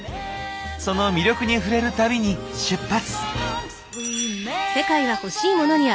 その魅力に触れる旅に出発！